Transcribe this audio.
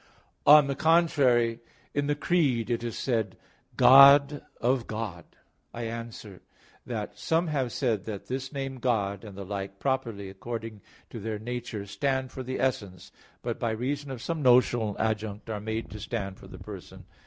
On the contrary, In the Creed it is said, "God of God." I answer that, Some have said that this name "God" and the like, properly according to their nature, stand for the essence, but by reason of some notional adjunct are made to stand for the Person.